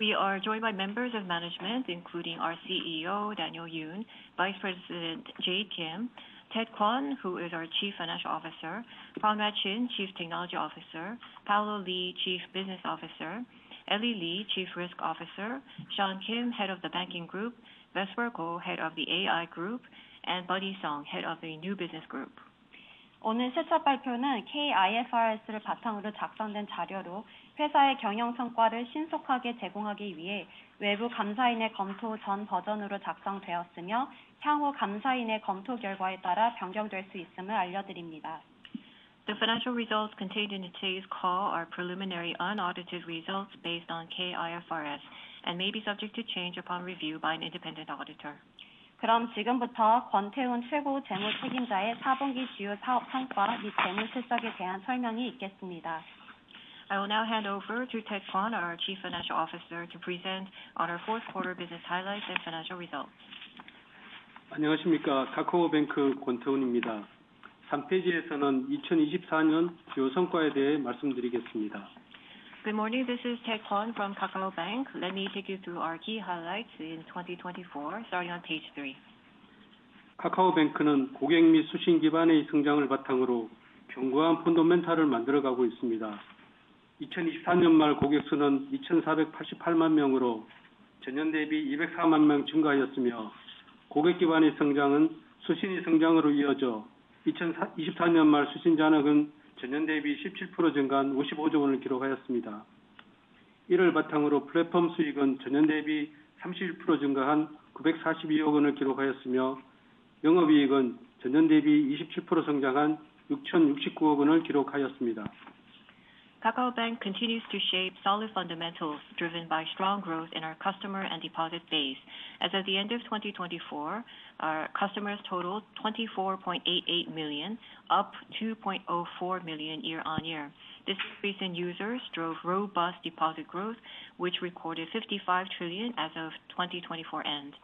We are joined by members of management, including our CEO, Daniel Yun, Vice President, Jay Kim, Ted Kwan, who is our Chief Financial Officer, Pham Rat Chin, Chief Technology Officer, Paolo Lee, Chief Business Officer, Ellie Lee, Chief Risk Officer, Sean Kim, Head of the Banking Group, Vesper Ko, Head of the AI Group, and Buddy Song, Head of the New Business Group. 오늘 실적 발표는 KIFRS를 바탕으로 작성된 자료로, 회사의 경영 성과를 신속하게 제공하기 위해 외부 감사인의 검토 전 버전으로 작성되었으며, 향후 감사인의 검토 결과에 따라 변경될 수 있음을 알려드립니다. The financial results contained in today's call are preliminary unaudited results based on KIFRS and may be subject to change upon review by an independent auditor. 그럼 지금부터 권태훈 최고 재무책임자의 4분기 주요 사업 성과 및 재무 실적에 대한 설명이 있겠습니다. I will now hand over to Ted Kwan, our Chief Financial Officer, to present on our fourth quarter business highlights and financial results. 안녕하십니까, 카카오뱅크 권태훈입니다. 3페이지에서는 2024년 주요 성과에 대해 말씀드리겠습니다. Good morning, this is Ted Kwan from KakaoBank. Let me take you through our key highlights in 2024, starting on page three. 카카오뱅크는 고객 및 수신 기반의 성장을 바탕으로 견고한 폰더멘탈을 만들어가고 있습니다. 2024년 말 고객 수는 2,488만 명으로 전년 대비 204만 명 증가하였으며 고객 기반의 성장은 수신의 성장으로 이어져 2024년 말 수신 잔액은 전년 대비 17% 증가한 55조 원을 기록하였습니다. 이를 바탕으로 플랫폼 수익은 전년 대비 31% 증가한 942억 원을 기록하였으며 영업이익은 전년 대비 27% 성장한 6,069억 원을 기록하였습니다. KakaoBank continues to shape solid fundamentals driven by strong growth in our customer and deposit base. As of the end of 2024, our customers totaled 24.88 million, up 2.04 million year-on-year. This increase in users drove robust deposit growth, which recorded 55 trillion KRW as of the end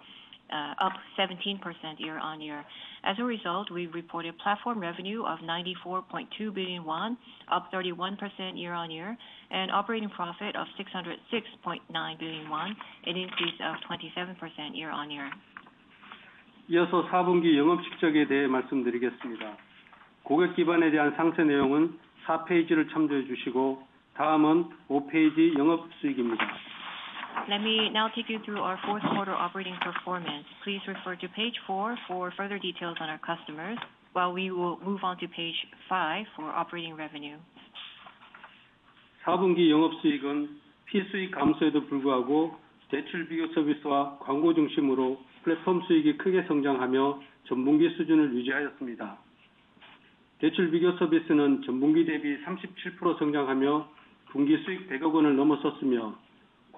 of 2024, up 17% year-on-year. As a result, we reported platform revenue of 94.2 billion won, up 31% year-on-year, and operating profit of 606.9 billion KRW, an increase of 27% year-on-year. 이어서 4분기 영업 실적에 대해 말씀드리겠습니다. 고객 기반에 대한 상세 내용은 4페이지를 참조해 주시고, 다음은 5페이지 영업 수익입니다. Let me now take you through our fourth quarter operating performance. Please refer to page four for further details on our customers, while we will move on to page five for operating revenue. 4분기 영업 수익은 비수익 감소에도 불구하고 대출 비교 서비스와 광고 중심으로 플랫폼 수익이 크게 성장하며 전분기 수준을 유지하였습니다. 대출 비교 서비스는 전분기 대비 37% 성장하며 분기 수익 100억 KRW를 넘어섰으며,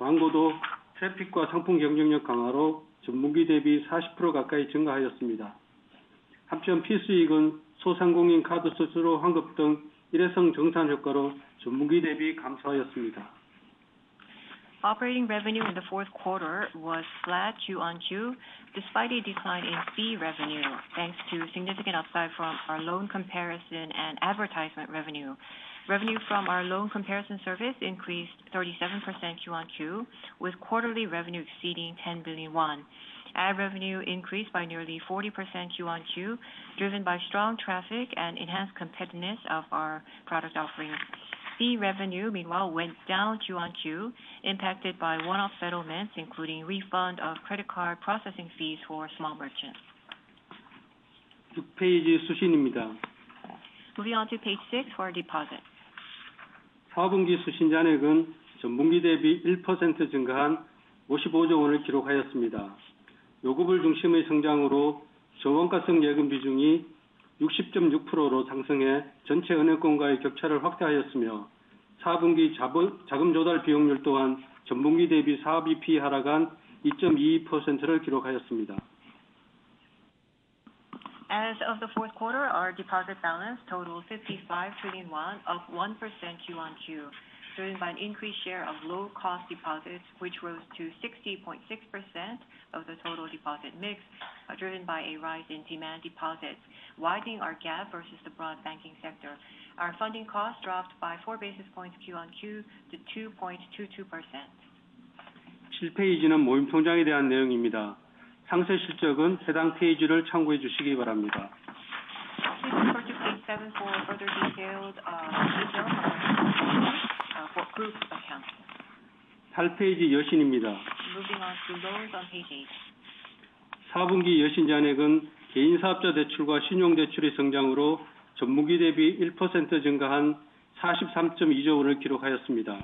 광고도 트래픽과 상품 경쟁력 강화로 전분기 대비 40% 가까이 증가하였습니다. 한편, 비수익은 소상공인 카드 수수료 환급 등 일회성 정산 효과로 전분기 대비 감소하였습니다. Operating revenue in the fourth quarter was flat Q on Q despite a decline in fee revenue thanks to significant upside from our loan comparison and advertisement revenue. Revenue from our loan comparison service increased 37% Q on Q, with quarterly revenue exceeding 10 billion won. Ad revenue increased by nearly 40% Q on Q, driven by strong traffic and enhanced competitiveness of our product offering. Fee revenue, meanwhile, went down Q on Q, impacted by one-off settlements, including refund of credit card processing fees for small merchants. 6페이지 수신입니다. Moving on to page six for our deposit. 4분기 수신 잔액은 전분기 대비 1% 증가한 55 trillion을 기록하였습니다. 요구불 중심의 성장으로 저원가성 예금 비중이 60.6%로 상승해 전체 은행권과의 격차를 확대하였으며, 4분기 자금 조달 비용률 또한 전분기 대비 4 basis points 하락한 2.22%를 기록하였습니다. As of the fourth quarter, our deposit balance totaled 55 trillion won, up 1% Q on Q, driven by an increased share of low-cost deposits, which rose to 60.6% of the total deposit mix, driven by a rise in demand deposits, widening our gap versus the broad banking sector. Our funding costs dropped by 4 basis points Q on Q to 2.22%. 7페이지는 모임 통장에 대한 내용입니다. 상세 실적은 해당 페이지를 참고해 주시기 바랍니다. Please refer to page seven for further details on our account details for Group accounts. 8페이지 여신입니다. Moving on to loans on page eight. 4분기 여신 잔액은 개인 사업자 대출과 신용 대출의 성장으로 전분기 대비 1% 증가한 KRW 43.2조를 기록하였습니다.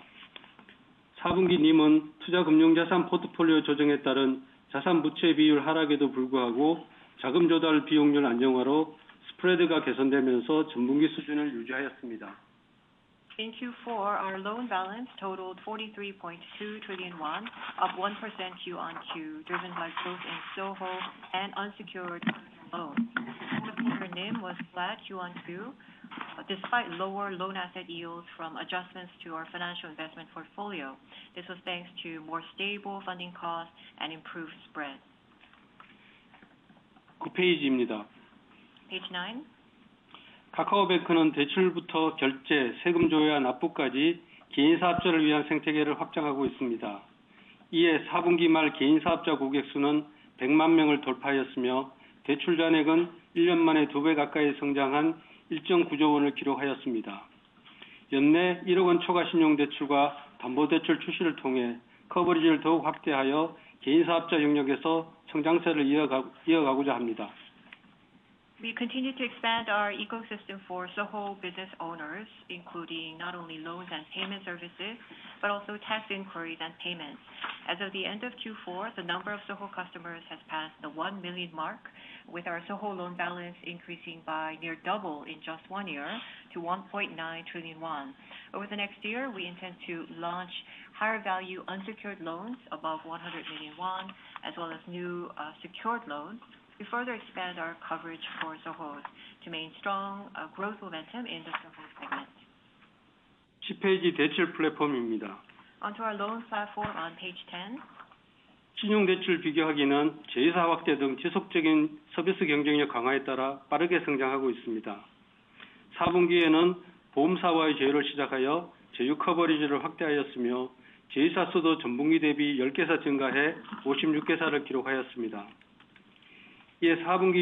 4분기 NIM은 투자 금융 자산 포트폴리오 조정에 따른 자산 부채 비율 하락에도 불구하고 자금 조달 비용률 안정화로 스프레드가 개선되면서 전분기 수준을 유지하였습니다. Thank you. Our loan balance totaled 43.2 trillion won, up 1% Q on Q, driven by growth in SOHO and unsecured loans. Home loan was flat Q on Q despite lower loan asset yields from adjustments to our financial investment portfolio. This was thanks to more stable funding costs and improved spread. 9페이지입니다. Page nine. 카카오뱅크는 대출부터 결제, 세금 조회와 납부까지 개인 사업자를 위한 생태계를 확장하고 있습니다. 이에 4분기 말 개인 사업자 고객 수는 100만 명을 돌파하였으며, 대출 잔액은 1년 만에 2배 가까이 성장한 KRW 1.9조를 기록하였습니다. 연내 1억 원 초과 신용 대출과 담보 대출 출시를 통해 커버리지를 더욱 확대하여 개인 사업자 영역에서 성장세를 이어가고자 합니다. We continue to expand our ecosystem for SOHO business owners, including not only loans and payment services but also tax inquiries and payments. As of the end of Q4, the number of SOHO customers has passed the one million mark, with our SOHO loan balance increasing by near double in just one year to 1.9 trillion won. Over the next year, we intend to launch higher value unsecured loans above 100 million won, as well as new secured loans, to further expand our coverage for SOHOs to maintain strong growth momentum in the SOHO segment. 10페이지 대출 플랫폼입니다. Onto our loan platform on page 10. 신용 대출 비교하기는 제휴사 확대 등 지속적인 서비스 경쟁력 강화에 따라 빠르게 성장하고 있습니다. 4분기에는 보험사와의 제휴를 시작하여 제휴 커버리지를 확대하였으며, 제휴사 수도 전분기 대비 10개사 증가해 56개사를 기록하였습니다. 이에 4분기 신용 대출 비교하기를 통한 실행 금액은 전분기 대비 11% 성장하여 1.1조 원을 기록하였습니다. Our unsecured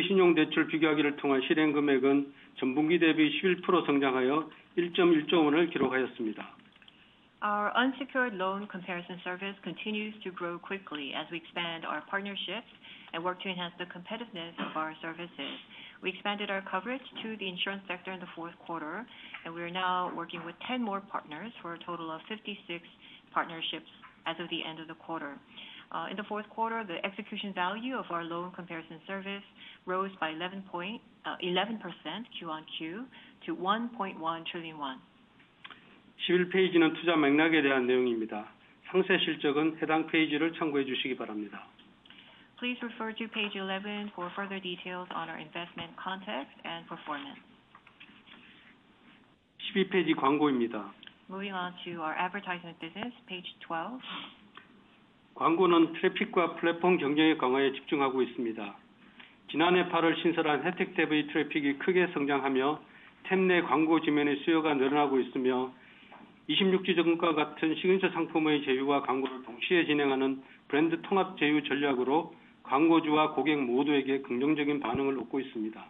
loan comparison service continues to grow quickly as we expand our partnerships and work to enhance the competitiveness of our services. We expanded our coverage to the insurance sector in the fourth quarter, and we are now working with 10 more partners for a total of 56 partnerships as of the end of the quarter. In the fourth quarter, the execution value of our loan comparison service rose by 11% Q on Q to 1.1 trillion won. 11페이지는 투자 맥락에 대한 내용입니다. 상세 실적은 해당 페이지를 참고해 주시기 바랍니다. Please refer to page 11 for further details on our investment context and performance. 12페이지 광고입니다. Moving on to our advertisement business, page 12. 광고는 트래픽과 플랫폼 경쟁력 강화에 집중하고 있습니다. 지난해 8월 신설한 혜택 탭의 트래픽이 크게 성장하며 탭내 광고 지면의 수요가 늘어나고 있으며, 26주와 같은 시그니처 상품의 제휴와 광고를 동시에 진행하는 브랜드 통합 제휴 전략으로 광고주와 고객 모두에게 긍정적인 반응을 얻고 있습니다.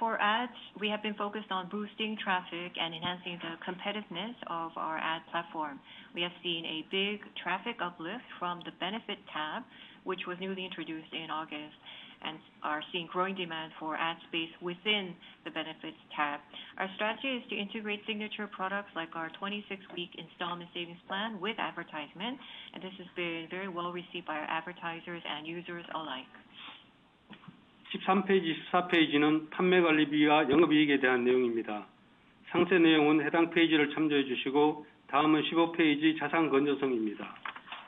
For ads, we have been focused on boosting traffic and enhancing the competitiveness of our ad platform. We have seen a big traffic uplift from the Benefit tab, which was newly introduced in August, and are seeing growing demand for ad space within the Benefit tab. Our strategy is to integrate signature products like our 26-week installment savings plan with advertisement, and this has been very well received by our advertisers and users alike. 13페이지 14페이지는 판매 관리비와 영업 이익에 대한 내용입니다. 상세 내용은 해당 페이지를 참조해 주시고, 다음은 15페이지 자산 건전성입니다.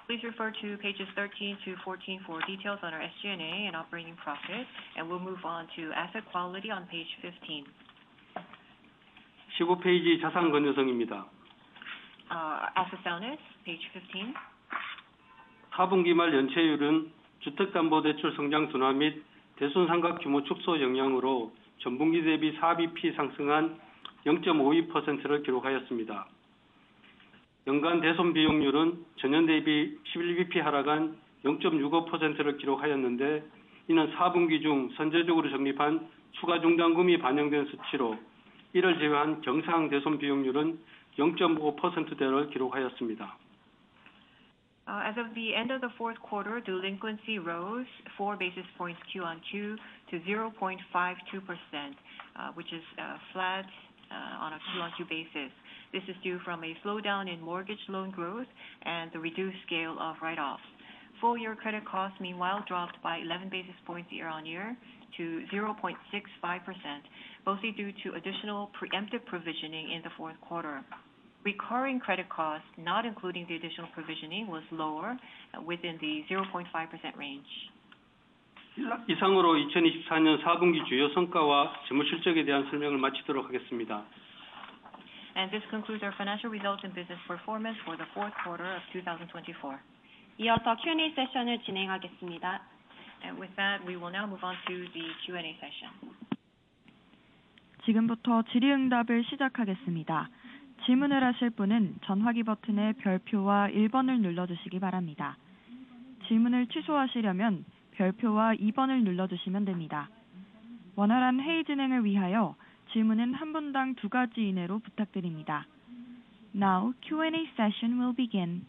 Please refer to pages 13 to 14 for details on our SG&A and operating profit, and we'll move on to asset quality on page 15. 15페이지 자산 건전성입니다. Our asset balance, page 15. 4분기 말 연체율은 주택담보대출 성장 둔화 및 대손상각 규모 축소 영향으로 전분기 대비 4 basis points 상승한 0.52%를 기록하였습니다. 연간 대손 비용률은 전년 대비 11 basis points 하락한 0.65%를 기록하였는데, 이는 4분기 중 선제적으로 적립한 추가 충당금이 반영된 수치로, 이를 제외한 정상 대손 비용률은 0.5%대를 기록하였습니다. As of the end of the fourth quarter, delinquency rose 4 basis points Q on Q to 0.52%, which is flat on a Q on Q basis. This is due from a slowdown in mortgage loan growth and the reduced scale of write-offs. Full-year credit costs, meanwhile, dropped by 11 basis points year-on-year to 0.65%, mostly due to additional preemptive provisioning in the fourth quarter. Recurring credit costs, not including the additional provisioning, was lower within the 0.5% range. 이상으로 2024년 4분기 주요 성과와 재무 실적에 대한 설명을 마치도록 하겠습니다. And this concludes our financial results and business performance for the fourth quarter of 2024. 이어서 Q&A 세션을 진행하겠습니다. And with that, we will now move on to the Q&A session. 지금부터 질의응답을 시작하겠습니다. 질문을 하실 분은 전화기 버튼의 별표와 1번을 눌러주시기 바랍니다. 질문을 취소하시려면 별표와 2번을 눌러주시면 됩니다. 원활한 회의 진행을 위하여 질문은 한 분당 두 가지 이내로 부탁드립니다. Now, Q&A session will begin.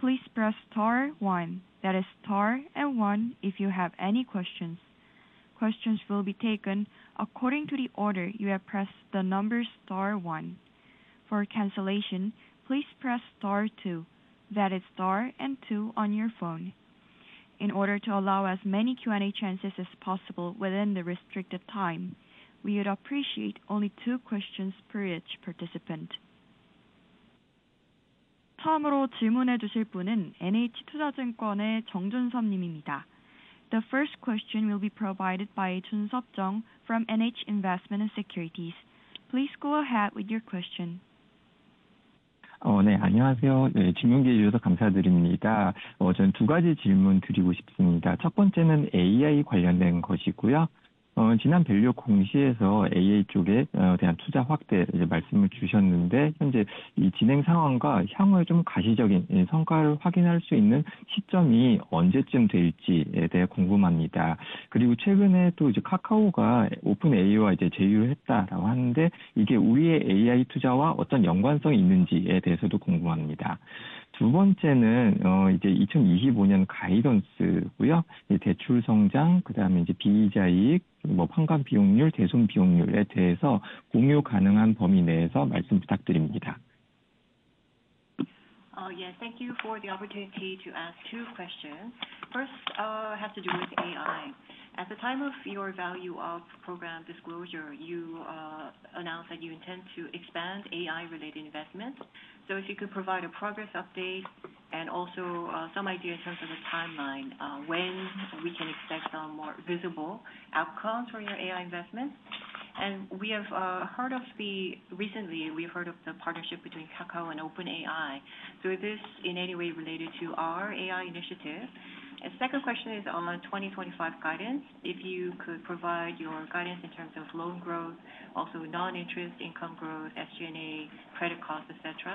Please press star one, that is star and one if you have any questions. Questions will be taken according to the order you have pressed the number star one. For cancellation, please press star two, that is star and two on your phone. In order to allow as many Q&A chances as possible within the restricted time, we would appreciate only two questions per each participant. 다음으로 질문해 주실 분은 NH투자증권의 정준섭 님입니다. The first question will be provided by Jun-Sup Jung from NH Investment & Securities. Please go ahead with your question. 네, 안녕하세요. 질문 기회 주셔서 감사드립니다. 저는 두 가지 질문 드리고 싶습니다. 첫 번째는 AI 관련된 것이고요. 지난 밸류업 공시에서 AI 쪽에 대한 투자 확대 말씀을 주셨는데, 현재 이 진행 상황과 향후에 좀 가시적인 성과를 확인할 수 있는 시점이 언제쯤 될지에 대해 궁금합니다. 그리고 최근에 또 이제 카카오가 오픈AI와 제휴를 했다라고 하는데, 이게 우리의 AI 투자와 어떤 연관성이 있는지에 대해서도 궁금합니다. 두 번째는 이제 2025년 가이던스고요. 대출 성장, 그다음에 이제 비이자, 판관비용률, 대손비용률에 대해서 공유 가능한 범위 내에서 말씀 부탁드립니다. Yes, thank you for the opportunity to ask two questions. First, I have to do with AI. At the time of your value-up program disclosure, you announced that you intend to expand AI-related investments. So if you could provide a progress update and also some idea in terms of a timeline when we can expect some more visible outcomes for your AI investments. And we have recently heard of the partnership between Kakao and OpenAI. So is this in any way related to our AI initiative? And second question is on 2025 guidance. If you could provide your guidance in terms of loan growth, also non-interest income growth, SG&A, credit costs, etc.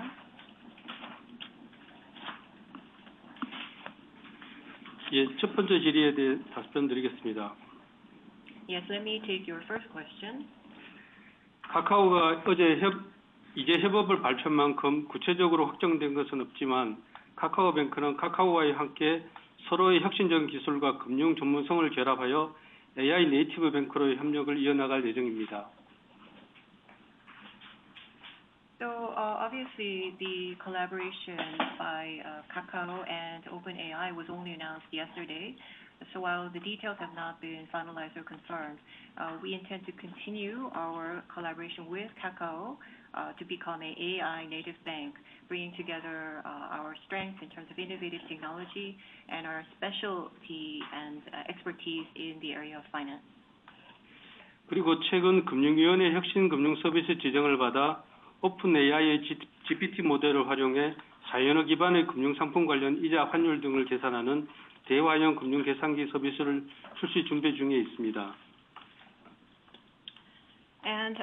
예, 첫 번째 질의에 대해 답변 드리겠습니다. Yes, let me take your first question. 카카오가 이제 협업을 발표한 만큼 구체적으로 확정된 것은 없지만 카카오뱅크는 카카오와 함께 서로의 혁신적인 기술과 금융 전문성을 결합하여 AI 네이티브 뱅크로의 협력을 이어나갈 예정입니다. So obviously, the collaboration by Kakao and OpenAI was only announced yesterday. So while the details have not been finalized or confirmed, we intend to continue our collaboration with Kakao to become an AI native bank, bringing together our strengths in terms of innovative technology and our specialty and expertise in the area of finance. 그리고 최근 금융위원회 혁신 금융 서비스 지정을 받아 오픈AI의 GPT 모델을 활용해 4언어 기반의 금융 상품 관련 이자 환율 등을 계산하는 대화형 금융 계산기 서비스를 출시 준비 중에 있습니다. And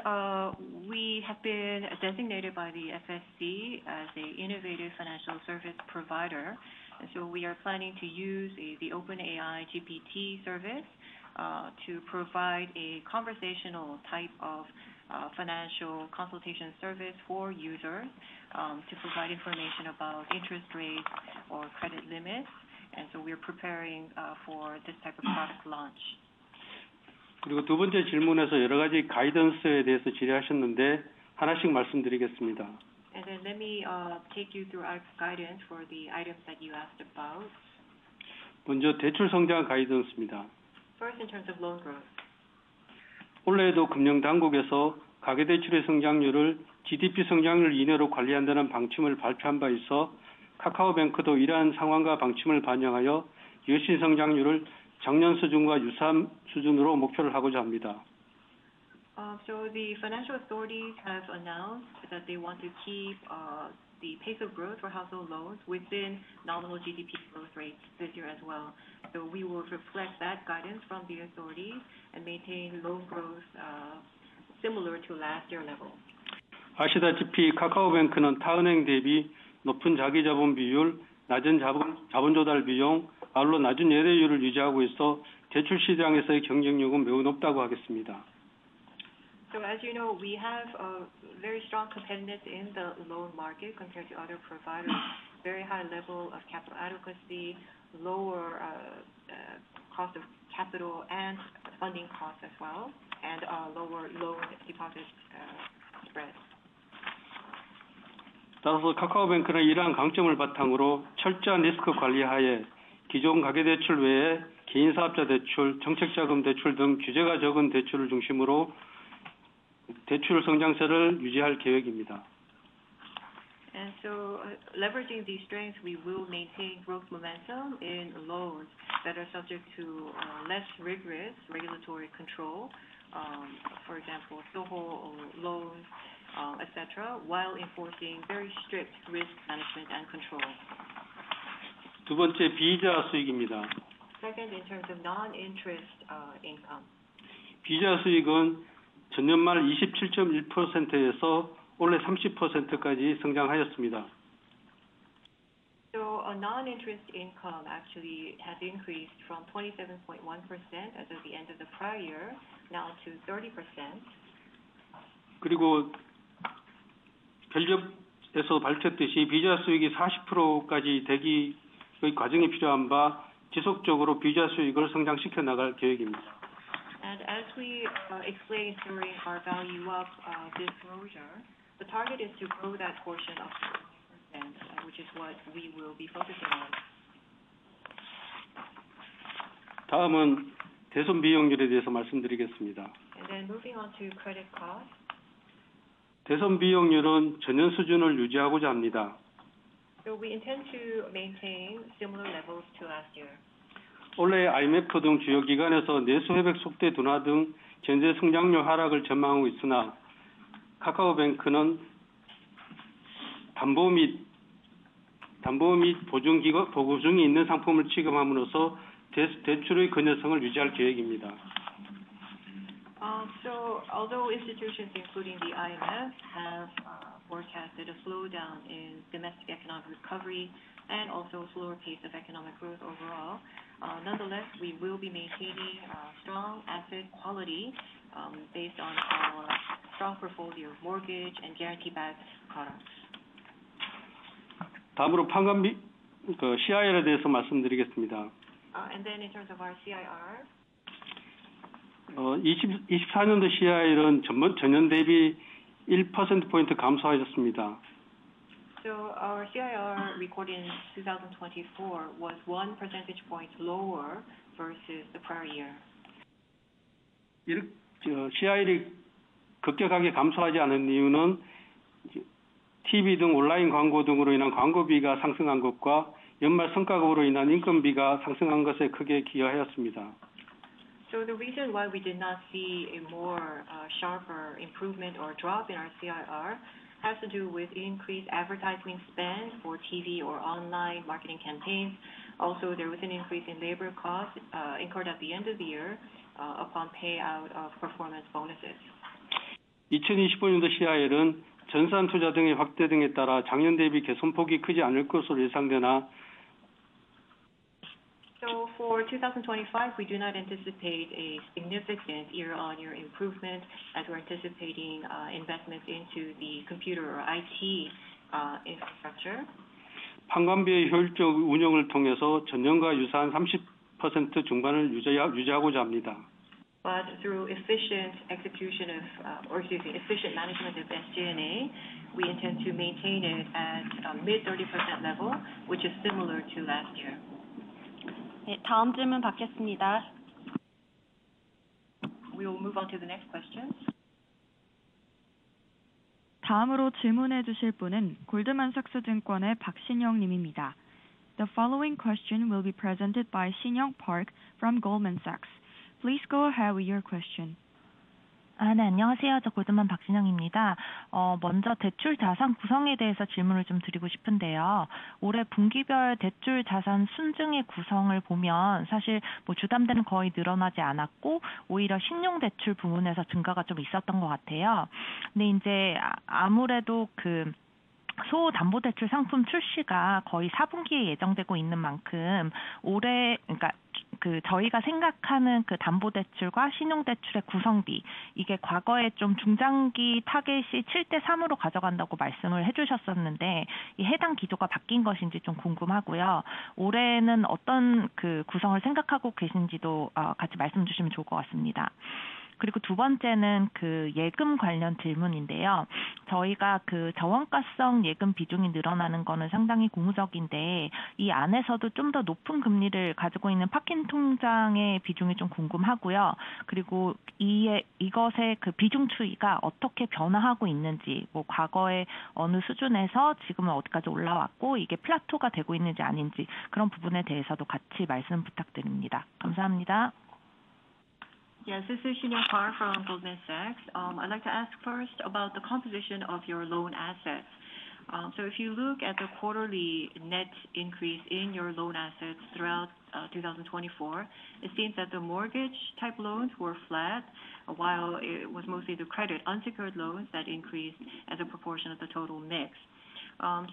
we have been designated by the FSC as an innovative financial service provider. And so we are planning to use the OpenAI GPT service to provide a conversational type of financial consultation service for users to provide information about interest rates or credit limits. And so we are preparing for this type of product launch. 그리고 두 번째 질문에서 여러 가지 가이던스에 대해서 질의하셨는데, 하나씩 말씀드리겠습니다. Let me take you through our guidance for the items that you asked about. 먼저 대출 성장 가이던스입니다. First, in terms of loan growth. 올해에도 금융당국에서 가계 대출의 성장률을 GDP 성장률 이내로 관리한다는 방침을 발표한 바 있어, 카카오뱅크도 이러한 상황과 방침을 반영하여 열심히 성장률을 작년 수준과 유사한 수준으로 목표를 하고자 합니다. So the financial authorities have announced that they want to keep the pace of growth for household loans within normal GDP growth rates this year as well. So we will reflect that guidance from the authorities and maintain loan growth similar to last year level. 아시다시피 카카오뱅크는 타은행 대비 높은 자기자본비율, 낮은 자본조달비용, 아울러 낮은 예대율을 유지하고 있어 대출 시장에서의 경쟁력은 매우 높다고 하겠습니다. So as you know, we have very strong competitiveness in the loan market compared to other providers, very high level of capital adequacy, lower cost of capital and funding costs as well, and lower loan deposit spreads. 따라서 카카오뱅크는 이러한 강점을 바탕으로 철저한 리스크 관리 하에 기존 가계 대출 외에 개인사업자 대출, 정책자금 대출 등 규제가 적은 대출을 중심으로 대출 성장세를 유지할 계획입니다. Leveraging these strengths, we will maintain growth momentum in loans that are subject to less rigorous regulatory control, for example, SOHO loans, etc., while enforcing very strict risk management and control. 두 번째, 비자 수익입니다. Second, in terms of non-interest income. 비자 수익은 전년 말 27.1%에서 올해 30%까지 성장하였습니다. Non-interest income actually has increased from 27.1% as of the end of the prior year, now to 30%. 그리고 밸류업에서 밝혔듯이 비이자 수익이 40%까지 되기 위한 과정이 필요한 바, 지속적으로 비이자 수익을 성장시켜 나갈 계획입니다. As we explain in summary our value-up disclosure, the target is to grow that portion of the percent, which is what we will be focusing on. 다음은 대손비용률에 대해서 말씀드리겠습니다. Moving on to credit costs. 대손비용률은 전년 수준을 유지하고자 합니다. We intend to maintain similar levels to last year. 올해 IMF 등 주요 기관에서 내수 회복 속도의 둔화 등 현재 성장률 하락을 전망하고 있으나 카카오뱅크는 담보 및 보증이 있는 상품을 취급함으로써 대출의 권해성을 유지할 계획입니다. Although institutions including the IMF have forecasted a slowdown in domestic economic recovery and also a slower pace of economic growth overall, nonetheless, we will be maintaining strong asset quality based on our strong portfolio of mortgage and guarantee-backed products. 다음으로 판관비, CIR에 대해서 말씀드리겠습니다. And then, in terms of our CIR. 2024년도 CIR은 전년 대비 1%포인트 감소하였습니다. Our CIR for 2024 was one percentage point lower versus the prior year. CIR이 급격하게 감소하지 않은 이유는 TV 등 온라인 광고 등으로 인한 광고비가 상승한 것과 연말 성과급으로 인한 인건비가 상승한 것에 크게 기여하였습니다. So the reason why we did not see a more sharper improvement or drop in our CIR has to do with increased advertising spend for TV or online marketing campaigns. Also, there was an increase in labor costs incurred at the end of the year upon payout of performance bonuses. 2025년도 CIR은 전산 투자 등의 확대 등에 따라 작년 대비 개선폭이 크지 않을 것으로 예상되나. So for 2025, we do not anticipate a significant year-on-year improvement as we're anticipating investments into the computer or IT infrastructure. 판관비의 효율적 운영을 통해서 전년과 유사한 30% 중반을 유지하고자 합니다. But through efficient execution of, or excuse me, efficient management of SG&A, we intend to maintain it at mid-30% level, which is similar to last year. 네, 다음 질문 받겠습니다. We will move on to the next question. 다음으로 질문해 주실 분은 골드만삭스 증권의 박신영 님입니다. The following question will be presented by Sinyoung Park from Goldman Sachs. Please go ahead with your question. 네, 안녕하세요. 저 골드만 박신영입니다. 먼저 대출 자산 구성에 대해서 질문을 좀 드리고 싶은데요. 올해 분기별 대출 자산 순증의 구성을 보면 사실 주담대는 거의 늘어나지 않았고, 오히려 신용대출 부문에서 증가가 좀 있었던 것 같아요. 근데 이제 아무래도 그 SOHO 대출 상품 출시가 거의 4분기에 예정되고 있는 만큼, 올해 그러니까 그 저희가 생각하는 그 담보대출과 신용대출의 구성비, 이게 과거에 좀 중장기 타겟이 7대 3으로 가져간다고 말씀을 해 주셨었는데, 이 해당 기조가 바뀐 것인지 좀 궁금하고요. 올해는 어떤 그 구성을 생각하고 계신지도 같이 말씀해 주시면 좋을 것 같습니다. 그리고 두 번째는 그 예금 관련 질문인데요. 저희가 그 저원가성 예금 비중이 늘어나는 거는 상당히 고무적인데, 이 안에서도 좀더 높은 금리를 가지고 있는 파킹 통장의 비중이 좀 궁금하고요. 그리고 이것의 그 비중 추이가 어떻게 변화하고 있는지, 뭐 과거에 어느 수준에서 지금은 어디까지 올라왔고, 이게 플라토가 되고 있는지 아닌지 그런 부분에 대해서도 같이 말씀 부탁드립니다. 감사합니다. Yes, this is Sinyoung Park from Goldman Sachs. I'd like to ask first about the composition of your loan assets. So if you look at the quarterly net increase in your loan assets throughout 2024, it seems that the mortgage-type loans were flat, while it was mostly the credit unsecured loans that increased as a proportion of the total mix.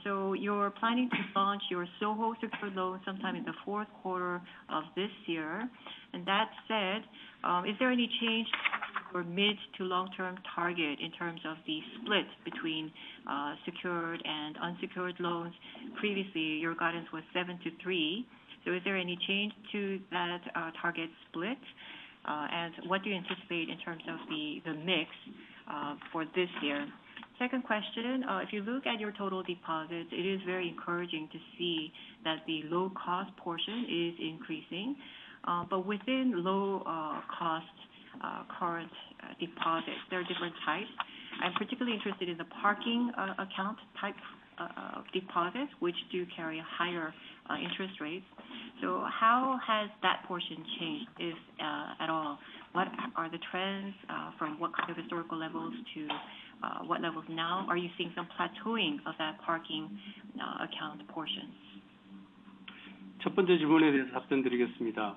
So you're planning to launch your SOHO secured loans sometime in the fourth quarter of this year. And that said, is there any change for mid to long-term target in terms of the split between secured and unsecured loans? Previously, your guidance was seven to three. So is there any change to that target split? And what do you anticipate in terms of the mix for this year? Second question, if you look at your total deposits, it is very encouraging to see that the low-cost portion is increasing. But within low-cost current deposits, there are different types. I'm particularly interested in the parking account type deposits, which do carry higher interest rates. So how has that portion changed, if at all? What are the trends from what kind of historical levels to what levels now? Are you seeing some plateauing of that parking account portion? 첫 번째 질문에 대해서 답변 드리겠습니다.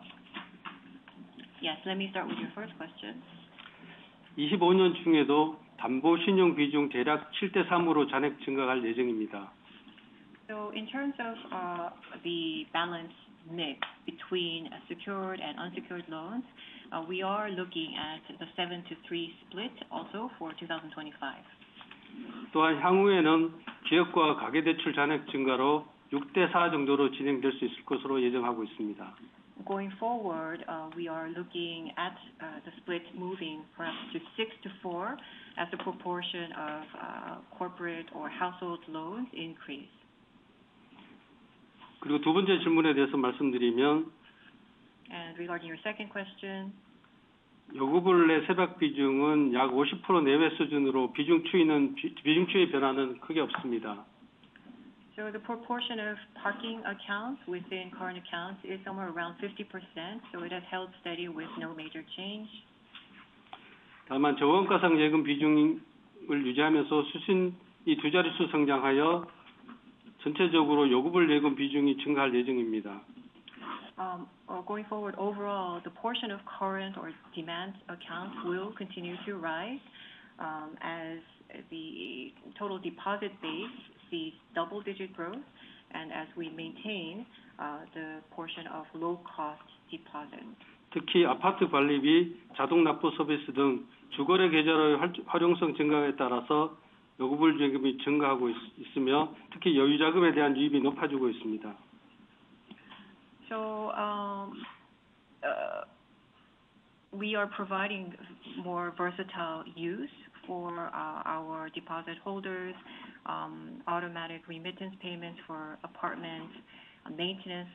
Yes, let me start with your first question. 2025년 중에도 담보 신용 비중 대략 7대 3으로 잔액 증가할 예정입니다. So in terms of the balance mix between secured and unsecured loans, we are looking at the seven to three split also for 2025. 또한 향후에는 지역과 가계 대출 잔액 증가로 6대 4 정도로 진행될 수 있을 것으로 예정하고 있습니다. Going forward, we are looking at the split moving perhaps to six to four as a proportion of corporate or household loans increase. 그리고 두 번째 질문에 대해서 말씀드리면. Regarding your second question. 여신 대출 비중은 약 50% 내외 수준으로 비중 추이의 변화는 크게 없습니다. The proportion of parking accounts within current accounts is somewhere around 50%. It has held steady with no major change. 다만 저원가성 예금 비중을 유지하면서 수신이 두 자릿수 성장하여 전체적으로 요구불 예금 비중이 증가할 예정입니다. Going forward, overall, the portion of current or demand accounts will continue to rise as the total deposit base sees double-digit growth and as we maintain the portion of low-cost deposits. 특히 아파트 관리비, 자동 납부 서비스 등 주거래 계좌의 활용성 증가에 따라서 요구불예금이 증가하고 있으며, 특히 여유 자금에 대한 유입이 높아지고 있습니다. So we are providing more versatile use for our deposit holders, automatic remittance payments for apartments, maintenance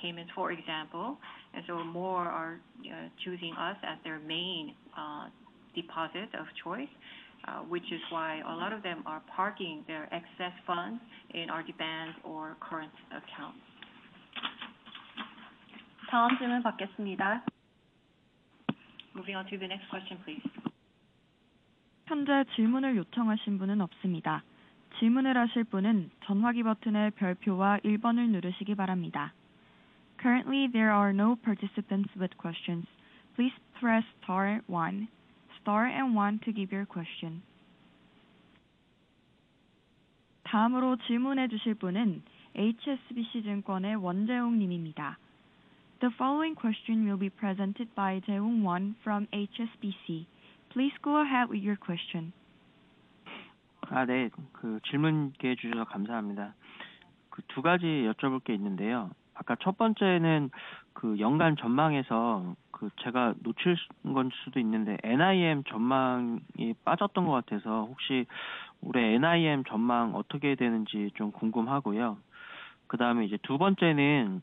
payments, for example. And so more are choosing us as their main deposit of choice, which is why a lot of them are parking their excess funds in our demand or current accounts. 다음 질문 받겠습니다. Moving on to the next question, please. 현재 질문을 요청하신 분은 없습니다. 질문을 하실 분은 전화기 버튼의 별표와 1번을 누르시기 바랍니다. Currently, there are no participants with questions. Please press star 1, star and 1 to give your question. 다음으로 질문해 주실 분은 HSBC 증권의 원재웅 님입니다. The following question will be presented by Jae Woong Won from HSBC Securities. Please go ahead with your question. 네, 질문 기회 주셔서 감사합니다. 두 가지 여쭤볼 게 있는데요. 아까 첫 번째는 연간 전망에서 제가 놓친 건 아닌데, NIM 전망이 빠졌던 것 같아서 혹시 올해 NIM 전망 어떻게 되는지 좀 궁금하고요. 그다음에 이제 두 번째는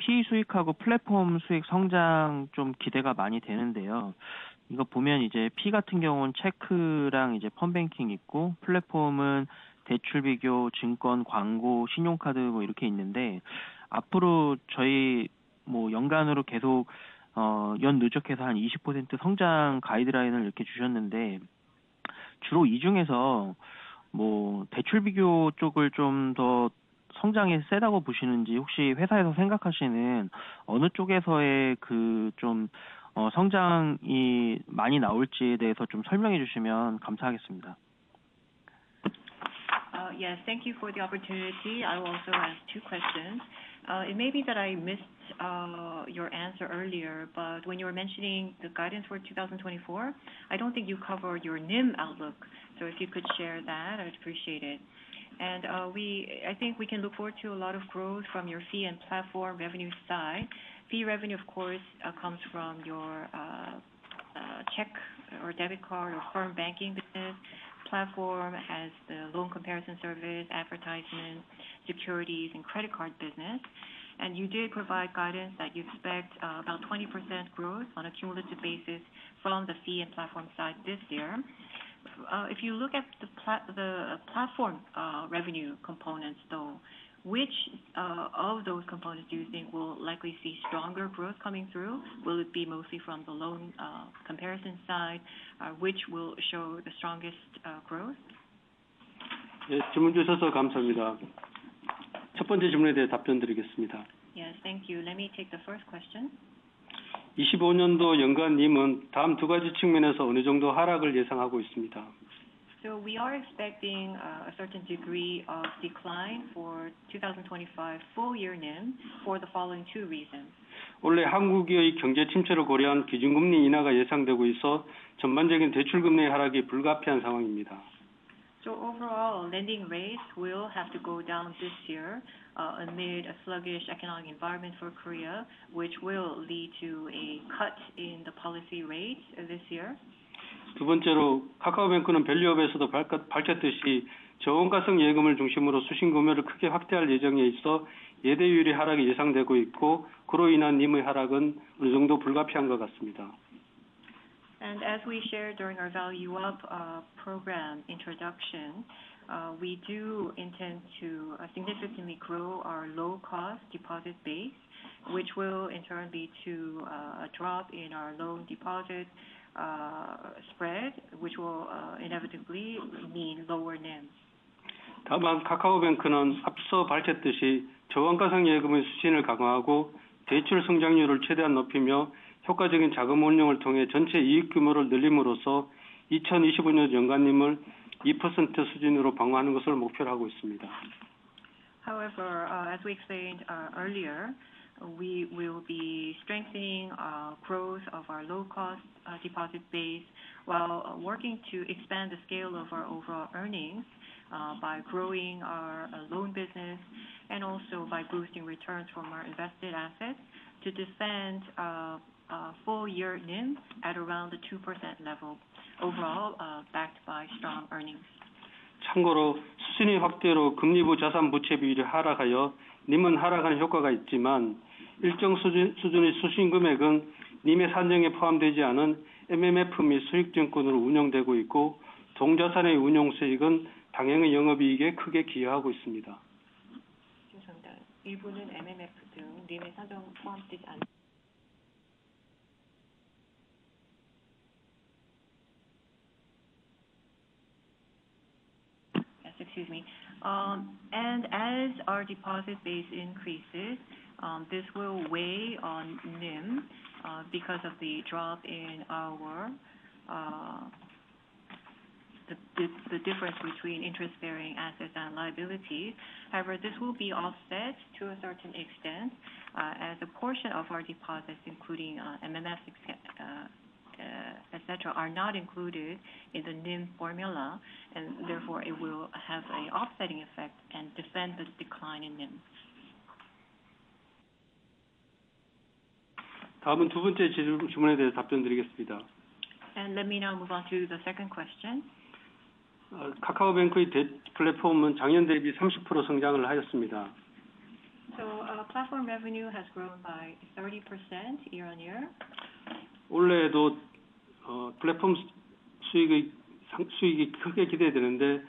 fee 수익하고 플랫폼 수익 성장 좀 기대가 많이 되는데요. 이거 보면 이제 P 같은 경우는 체크랑 펀뱅킹 있고, 플랫폼은 대출 비교, 증권, 광고, 신용카드 뭐 이렇게 있는데, 앞으로 저희 연간으로 계속 연 누적해서 20% 성장 가이드라인을 이렇게 주셨는데, 주로 이 중에서 대출 비교 쪽을 좀더 성장이 세다고 보시는지, 혹시 회사에서 생각하시는 어느 쪽에서의 성장이 많이 나올지에 대해서 좀 설명해 주시면 감사하겠습니다. Yes, thank you for the opportunity. I will also ask two questions. It may be that I missed your answer earlier, but when you were mentioning the guidance for 2024, I don't think you covered your NIM outlook. So if you could share that, I'd appreciate it. And I think we can look forward to a lot of growth from your fee and platform revenue side. Fee revenue, of course, comes from your check or debit card or firm banking business. Platform has the loan comparison service, advertisement, securities, and credit card business. And you did provide guidance that you expect about 20% growth on a cumulative basis from the fee and platform side this year. If you look at the platform revenue components, though, which of those components do you think will likely see stronger growth coming through? Will it be mostly from the loan comparison side, which will show the strongest growth? 네, 질문 주셔서 감사합니다. 첫 번째 질문에 대해 답변 드리겠습니다. Yes, thank you. Let me take the first question. 2025년도 연간 NIM은 다음 두 가지 측면에서 어느 정도 하락을 예상하고 있습니다. So we are expecting a certain degree of decline for 2025 full year NIM for the following two reasons. 올해 한국의 경제 침체를 고려한 기준금리 인하가 예상되고 있어 전반적인 대출 금리의 하락이 불가피한 상황입니다. So overall, lending rates will have to go down this year amid a sluggish economic environment for Korea, which will lead to a cut in the policy rates this year. 두 번째로 카카오뱅크는 밸류업에서도 밝혔듯이 저원가성 예금을 중심으로 수신 구매를 크게 확대할 예정에 있어 예대율의 하락이 예상되고 있고, 그로 인한 NIM의 하락은 어느 정도 불가피한 것 같습니다. As we shared during our Value-up program introduction, we do intend to significantly grow our low-cost deposit base, which will in turn lead to a drop in our loan deposit spread, which will inevitably mean lower NIMs. 다만 카카오뱅크는 앞서 밝혔듯이 저원가성 예금의 수신을 강화하고 대출 성장률을 최대한 높이며 효과적인 자금 운용을 통해 전체 이익 규모를 늘림으로써 2025년 연간 NIM을 2% 수준으로 방어하는 것을 목표로 하고 있습니다. However, as we explained earlier, we will be strengthening our growth of our low-cost deposit base while working to expand the scale of our overall earnings by growing our loan business and also by boosting returns from our invested assets to defend full year NIM at around the 2% level, overall backed by strong earnings. 참고로 수신의 확대로 금리부 자산 부채 비율이 하락하여 NIM은 하락하는 효과가 있지만, 일정 수준의 수신 금액은 NIM의 산정에 포함되지 않은 MMF 및 수익 증권으로 운용되고 있고, 동 자산의 운용 수익은 당행의 영업 이익에 크게 기여하고 있습니다. 죄송합니다. 일부는 MMF 등 NIM의 산정에 포함되지 않은. Yes, excuse me. As our deposit base increases, this will weigh on NIM because of the drop in our difference between interest-bearing assets and liabilities. However, this will be offset to a certain extent as a portion of our deposits, including MMF, etc., are not included in the NIM formula, and therefore it will have an offsetting effect and defend the decline in NIM. 다음은 두 번째 질문에 대해서 답변 드리겠습니다. Let me now move on to the second question. 카카오뱅크의 플랫폼은 작년 대비 30% 성장을 하였습니다. Platform revenue has grown by 30% year-on-year. 올해에도 플랫폼 수익이 크게 기대되는데,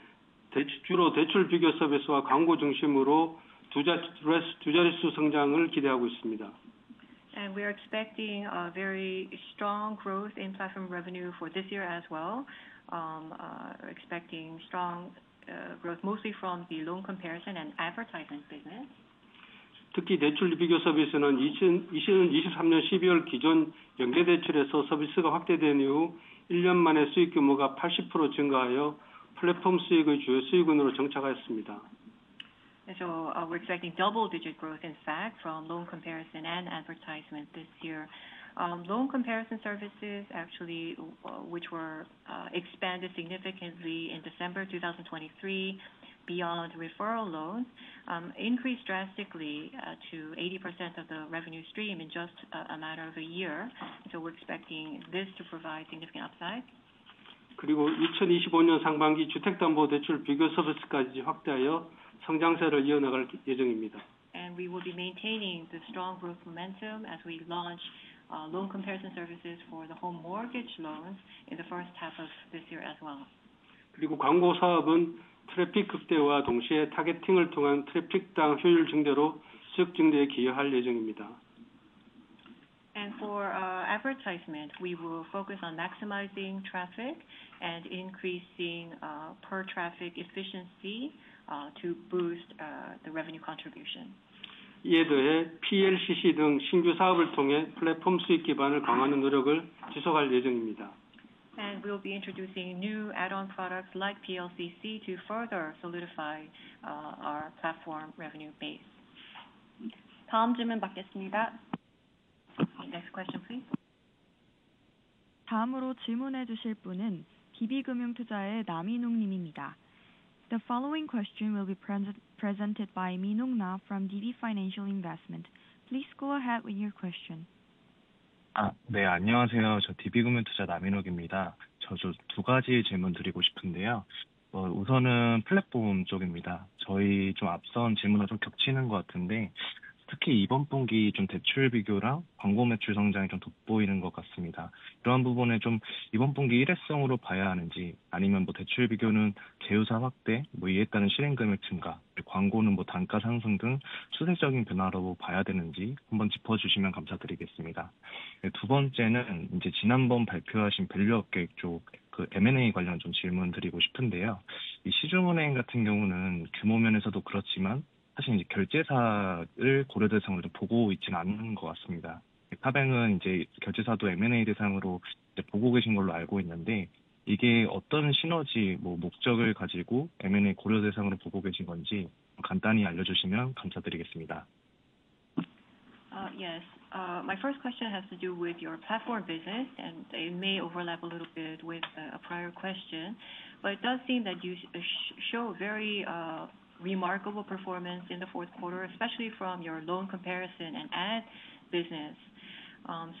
주로 대출 비교 서비스와 광고 중심으로 두 자릿수 성장을 기대하고 있습니다. We are expecting a very strong growth in platform revenue for this year as well. Expecting strong growth mostly from the loan comparison and advertisement business. 특히 대출 비교 서비스는 2023년 12월 기존 연계 대출에서 서비스가 확대된 이후 1년 만에 수익 규모가 80% 증가하여 플랫폼 수익의 주요 수익원으로 정착하였습니다. So we're expecting double-digit growth, in fact, from loan comparison and advertisement this year. Loan comparison services, actually, which were expanded significantly in December 2023 beyond referral loans, increased drastically to 80% of the revenue stream in just a matter of a year. So we're expecting this to provide significant upside. 그리고 2025년 상반기 주택담보대출 비교 서비스까지 확대하여 성장세를 이어나갈 예정입니다. We will be maintaining the strong growth momentum as we launch loan comparison services for the home mortgage loans in the first half of this year as well. 그리고 광고 사업은 트래픽 극대화와 동시에 타겟팅을 통한 트래픽당 효율 증대로 수익 증대에 기여할 예정입니다. For advertisement, we will focus on maximizing traffic and increasing per-traffic efficiency to boost the revenue contribution. 이에 더해 PLCC 등 신규 사업을 통해 플랫폼 수익 기반을 강화하는 노력을 지속할 예정입니다. We will be introducing new add-on products like PLCC to further solidify our platform revenue base. 다음 질문 받겠습니다. Next question, please. 다음으로 질문해 주실 분은 DB금융투자의 나민욱 님입니다. The following question will be presented by Minung Na from DB Financial Investment. Please go ahead with your question. 네, 안녕하세요. 저 DB금융투자 나민욱입니다. 저두 가지 질문 드리고 싶은데요. 우선은 플랫폼 쪽입니다. 저희 좀 앞선 질문하고 겹치는 것 같은데, 특히 이번 분기 대출 비교랑 광고 매출 성장이 돋보이는 것 같습니다. 이런 부분을 이번 분기 일회성으로 봐야 하는지, 아니면 대출 비교는 제휴사 확대, 이에 따른 실행 금액 증가, 광고는 단가 상승 등 추세적인 변화로 봐야 되는지 한번 짚어주시면 감사드리겠습니다. 두 번째는 지난번 발표하신 밸류업 계획 쪽 M&A 관련 질문 드리고 싶은데요. 시중은행 같은 경우는 규모 면에서도 그렇지만 사실 결제사를 고려 대상으로 보고 있지는 않은 것 같습니다. 카뱅은 결제사도 M&A 대상으로 보고 계신 걸로 알고 있는데, 이게 어떤 시너지, 목적을 가지고 M&A 고려 대상으로 보고 계신 건지 간단히 알려주시면 감사드리겠습니다. Yes. My first question has to do with your platform business, and it may overlap a little bit with a prior question, but it does seem that you show very remarkable performance in the fourth quarter, especially from your loan comparison and ad business.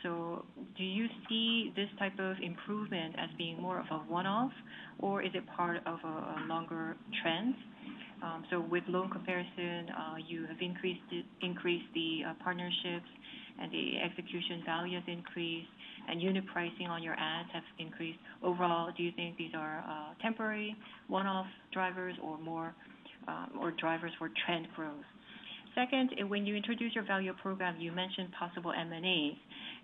So do you see this type of improvement as being more of a one-off, or is it part of a longer trend, so with loan comparison, you have increased the partnerships, and the execution value has increased, and unit pricing on your ads has increased. Overall, do you think these are temporary one-off drivers or drivers for trend growth? Second, when you introduced your value-up program, you mentioned possible M&As.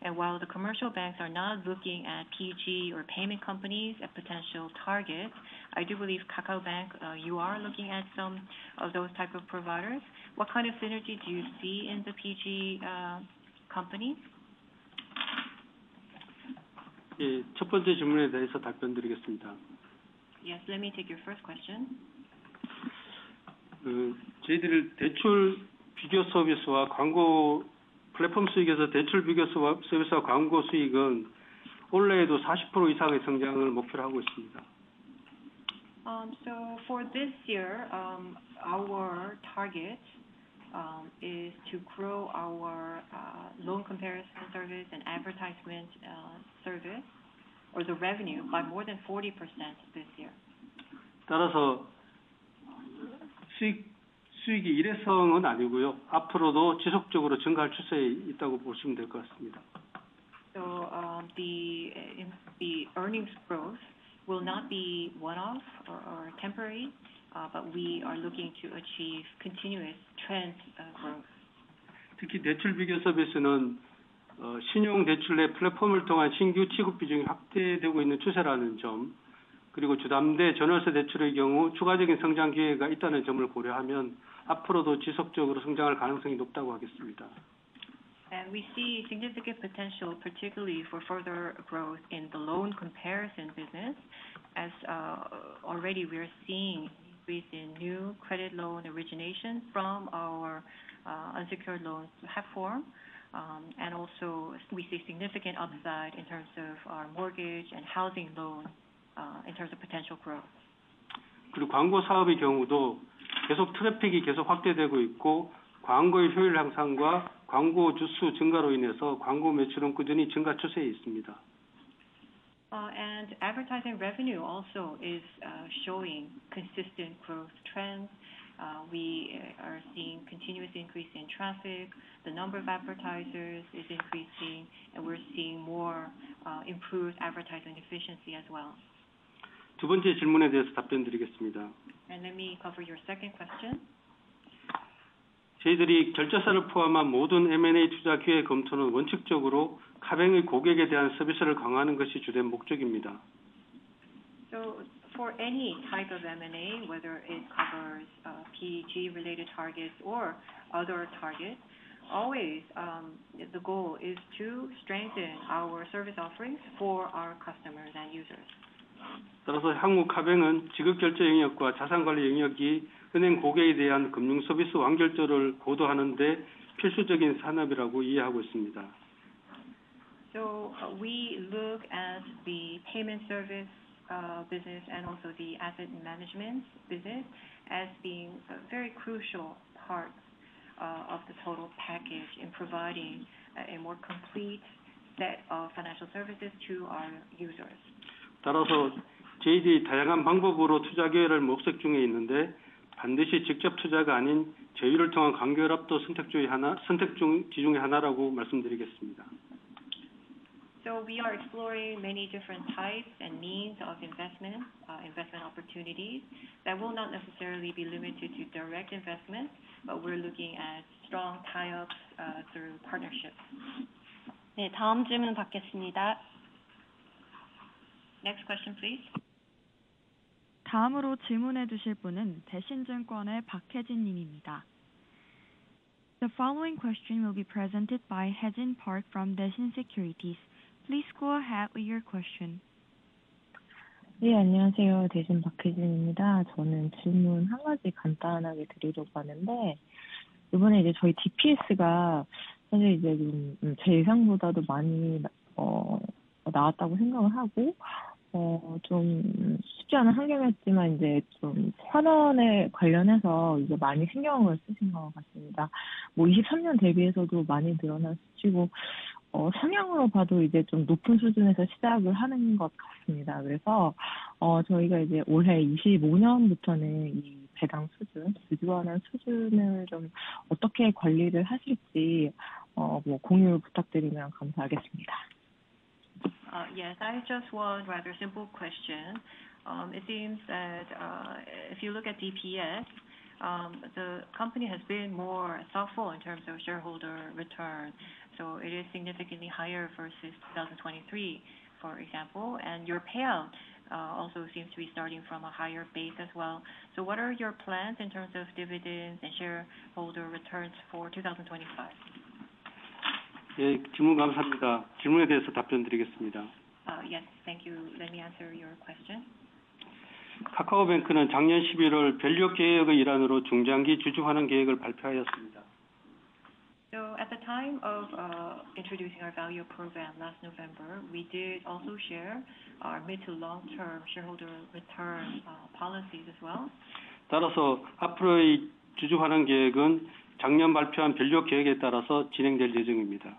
And while the commercial banks are not looking at PG or payment companies as potential targets, I do believe KakaoBank, you are looking at some of those types of providers. What kind of synergy do you see in the PG companies? 첫 번째 질문에 대해서 답변 드리겠습니다. Yes, let me take your first question. 저희의 대출 비교 서비스와 광고 플랫폼 수익에서 대출 비교 서비스와 광고 수익은 올해에도 40% 이상의 성장을 목표로 하고 있습니다. For this year, our target is to grow our loan comparison service and advertisement service or the revenue by more than 40% this year. 따라서 수익이 일회성은 아니고요. 앞으로도 지속적으로 증가할 추세에 있다고 보시면 될것 같습니다. So the earnings growth will not be one-off or temporary, but we are looking to achieve continuous trend growth. 특히 대출 비교 서비스는 신용 대출의 플랫폼을 통한 신규 취급 비중이 확대되고 있는 추세라는 점, 그리고 주담대, 전월세 대출의 경우 추가적인 성장 기회가 있다는 점을 고려하면 앞으로도 지속적으로 성장할 가능성이 높다고 하겠습니다. We see significant potential, particularly for further growth in the loan comparison business, as already we are seeing with the new credit loan origination from our unsecured loans platform. We also see significant upside in terms of our mortgage and housing loans in terms of potential growth. 그리고 광고 사업의 경우도 계속 트래픽이 계속 확대되고 있고, 광고의 효율 향상과 광고주 수 증가로 인해서 광고 매출은 꾸준히 증가 추세에 있습니다. Advertising revenue also is showing consistent growth trends. We are seeing continuous increase in traffic. The number of advertisers is increasing, and we're seeing more improved advertising efficiency as well. 두 번째 질문에 대해서 답변 드리겠습니다. Let me cover your second question. 저희들이 결제사를 포함한 모든 M&A 투자 기회 검토는 원칙적으로 카뱅의 고객에 대한 서비스를 강화하는 것이 주된 목적입니다. So for any type of M&A, whether it covers PG-related targets or other targets, always the goal is to strengthen our service offerings for our customers and users. 따라서 향후 카뱅은 지급 결제 영역과 자산 관리 영역이 은행 고객에 대한 금융 서비스 완결도를 고도하는 데 필수적인 산업이라고 이해하고 있습니다. So we look at the payment service business and also the asset management business as being very crucial parts of the total package in providing a more complete set of financial services to our users. 따라서 저희들이 다양한 방법으로 투자 기회를 모색 중에 있는데, 반드시 직접 투자가 아닌 제휴를 통한 광고 연합도 선택지 중에 하나라고 말씀드리겠습니다. So we are exploring many different types and means of investment, investment opportunities that will not necessarily be limited to direct investment, but we're looking at strong tie-ups through partnerships. 네, 다음 질문 받겠습니다. Next question, please. 다음으로 질문해 주실 분은 대신증권의 박혜진 님입니다. The following question will be presented by Hyejin Park from Daishin Securities. Please go ahead with your question. 네, 안녕하세요. 대신 박혜진입니다. 저는 질문 한 가지 간단하게 드리려고 하는데, 이번에 저희 DPS가 사실 제 예상보다도 많이 나왔다고 생각을 하고, 좀 쉽지 않은 환경이었지만 이제 좀 환원에 관련해서 이제 많이 신경을 쓰신 것 같습니다. 뭐 2023년 대비해서도 많이 늘어났고, 성향으로 봐도 이제 좀 높은 수준에서 시작을 하는 것 같습니다. 그래서 저희가 이제 올해 2025년부터는 이 배당 수준, 주주환원 수준을 좀 어떻게 관리를 하실지 공유 부탁드리면 감사하겠습니다. Yes, I just want a rather simple question. It seems that if you look at DPS, the company has been more thoughtful in terms of shareholder return. So it is significantly higher versus 2023, for example, and your payout also seems to be starting from a higher base as well. So what are your plans in terms of dividends and shareholder returns for 2025? 질문 감사합니다. 질문에 대해서 답변 드리겠습니다. Yes, thank you. Let me answer your question. 하카오뱅크는 작년 11월 전략 개혁의 일환으로 중장기 주주환원 계획을 발표하였습니다. So at the time of introducing our value-up program last November, we did also share our mid- to long-term shareholder return policies as well. 따라서 앞으로의 주주환원계획은 작년 발표한 배려 계획에 따라서 진행될 예정입니다.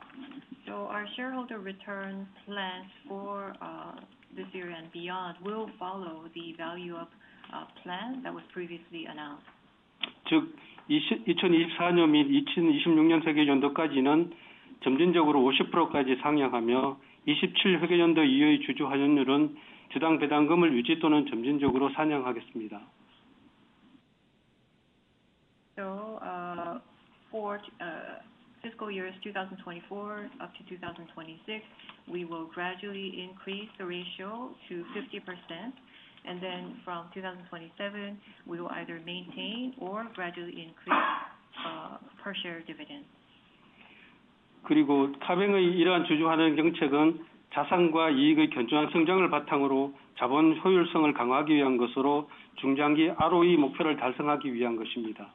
So our shareholder return plans for this year and beyond will follow the value-up plan that was previously announced. 즉, 2024년 및 2026년 회계연도까지는 점진적으로 50%까지 상향하며, 2027 회계연도 이후의 주주환원율은 주당 배당금을 유지 또는 점진적으로 상향하겠습니다. For fiscal years 2024 up to 2026, we will gradually increase the ratio to 50%, and then from 2027, we will either maintain or gradually increase per-share dividend. 그리고 카뱅의 이러한 주주환원 정책은 자산과 이익의 견조한 성장을 바탕으로 자본 효율성을 강화하기 위한 것으로 중장기 ROE 목표를 달성하기 위한 것입니다.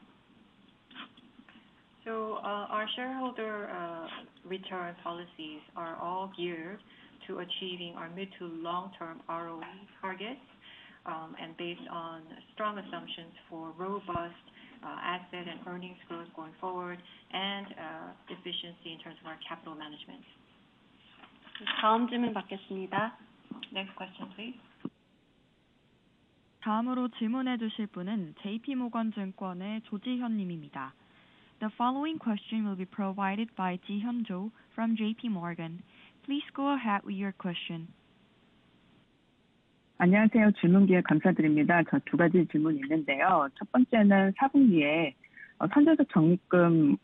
So our shareholder return policies are all geared to achieving our mid to long-term ROE targets and based on strong assumptions for robust asset and earnings growth going forward and efficiency in terms of our capital management. 다음 질문 받겠습니다. Next question, please. 다음으로 질문해 주실 분은 JP모건증권의 조지현 님입니다. The following question will be provided by Jihyun Cho from JPMorgan. Please go ahead with your question. 안녕하세요. 질문 기회 감사드립니다. 저두 가지 질문 있는데요. 첫 번째는 4분기에 선제적 적립금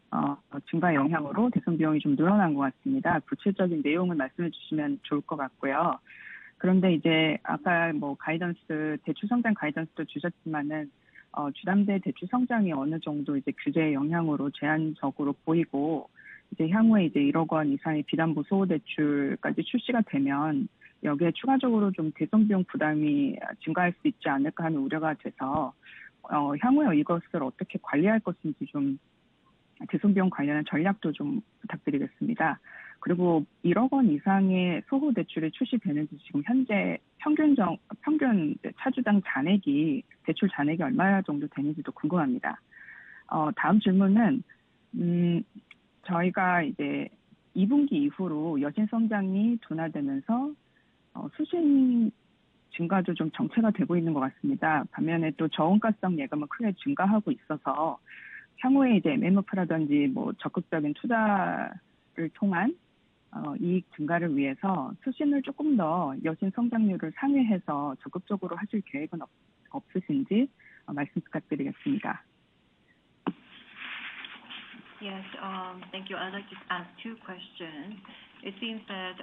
증가 영향으로 대손 비용이 좀 늘어난 것 같습니다. 구체적인 내용을 말씀해 주시면 좋을 것 같고요. 그런데 이제 아까 가이던스, 대출 성장 가이던스도 주셨지만, 주담대 대출 성장이 어느 정도 규제의 영향으로 제한적으로 보이고, 이제 향후에 1억 원 이상의 비담보 소호 대출까지 출시가 되면 여기에 추가적으로 대손 비용 부담이 증가할 수 있지 않을까 하는 우려가 돼서, 향후에 이것을 어떻게 관리할 것인지 대손 비용 관련한 전략도 좀 부탁드리겠습니다. 그리고 1억 원 이상의 소호 대출이 출시되는지, 지금 현재 평균 차주당 대출 잔액이 얼마 정도 되는지도 궁금합니다. 다음 질문은 저희가 이제 2분기 이후로 여신 성장이 둔화되면서 수신 증가도 좀 정체가 되고 있는 것 같습니다. 반면에 또 저원가성 예금은 크게 증가하고 있어서, 향후에 MMF라든지 적극적인 투자를 통한 이익 증가를 위해서 수신을 조금 더 여신 성장률을 상회해서 적극적으로 하실 계획은 없으신지 말씀 부탁드리겠습니다. Yes, thank you. I'd like to ask two questions. It seems that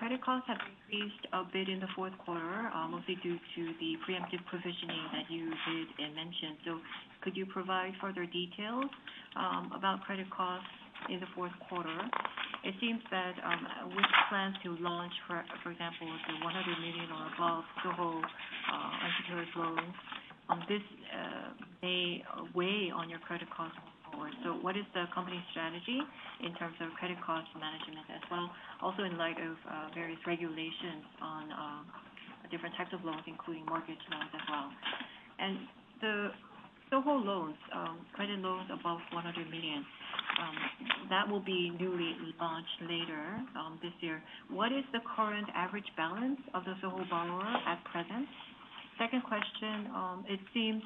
credit costs have increased a bit in the fourth quarter, mostly due to the preemptive provisioning that you did mention. So could you provide further details about credit costs in the fourth quarter? It seems that with plans to launch, for example, the 100 million or above SOHO unsecured loans, this may weigh on your credit costs going forward. So what is the company's strategy in terms of credit cost management as well? Also, in light of various regulations on different types of loans, including mortgage loans as well, and the SOHO loans, credit loans above 100 million, that will be newly launched later this year. What is the current average balance of the SOHO borrower at present? Second question, it seems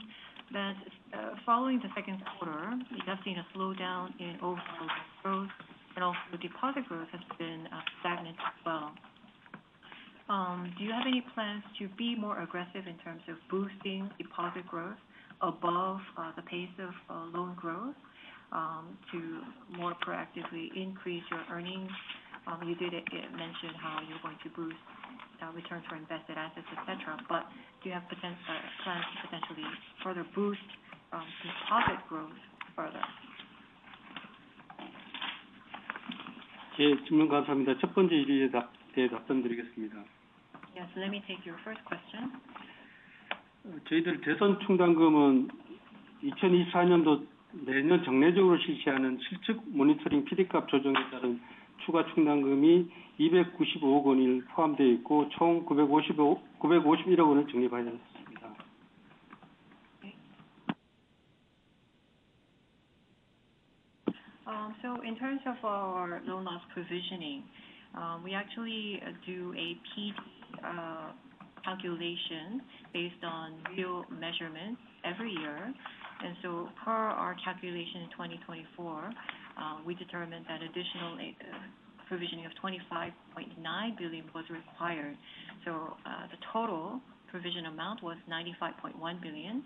that following the second quarter, you have seen a slowdown in overall growth, and also deposit growth has been stagnant as well. Do you have any plans to be more aggressive in terms of boosting deposit growth above the pace of loan growth to more proactively increase your earnings? You did mention how you're going to boost returns for invested assets, etc., but do you have plans to potentially further boost deposit growth further? 제 질문 감사합니다. 첫 번째 질문에 대해서 답변 드리겠습니다. Yes, let me take your first question. 저희들 대손 충당금은 2024년도 내년 정례적으로 실시하는 실측 모니터링 PD값 조정에 따른 추가 충당금이 295억 원이 포함되어 있고, 총 951억 원을 적립하였습니다. In terms of our loan loss positioning, we actually do a PD calculation based on real measurements every year. Per our calculation in 2024, we determined that additional provisioning of 25.9 billion was required. The total provision amount was 95.1 billion.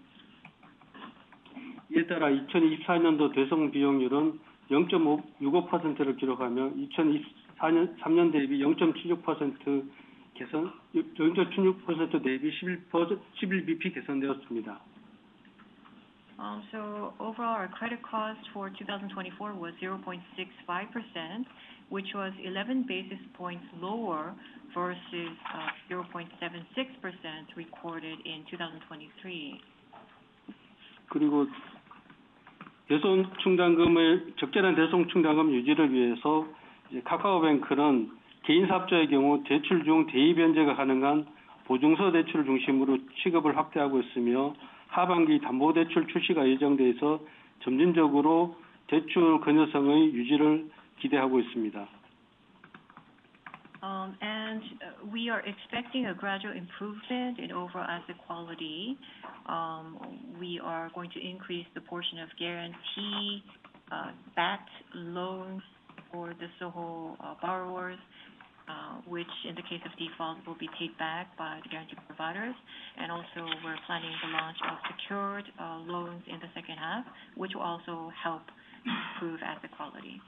이에 따라 2024년도 대손 비용률은 0.65%를 기록하며, 2023년 대비 0.76% 개선, 0.76% 대비 11 basis points 개선되었습니다. Overall, our credit cost for 2024 was 0.65%, which was 11 basis points lower versus 0.76% recorded in 2023. 대손 충당금의 적절한 유지를 위해서 카카오뱅크는 개인사업자의 경우 대출 중 대위 변제가 가능한 보증서 대출 중심으로 취급을 확대하고 있으며, 하반기 담보 대출 출시가 예정되어서 점진적으로 대출 건전성의 유지를 기대하고 있습니다. We are expecting a gradual improvement in overall asset quality. We are going to increase the portion of guarantee-backed loans for the SOHO borrowers, which in the case of default will be paid back by the guarantee providers. Also, we're planning to launch secured loans in the second half, which will also help improve asset quality.